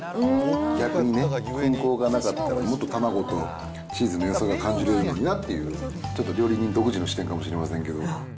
逆にね、がなかったらもっと卵とチーズのよさが感じるのになっていうね、ちょっと料理人独自の視点かもしれませんけど。